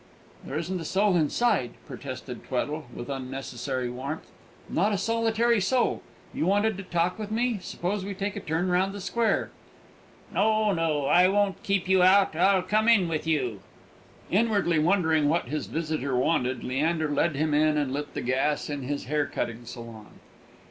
"There isn't a soul inside," protested Tweddle, with unnecessary warmth; "not a solitary soul! You wanted to talk with me. Suppose we take a turn round the square?" "No, no. I won't keep you out; I'll come in with you!" Inwardly wondering what his visitor wanted, Leander led him in and lit the gas in his hair cutting saloon.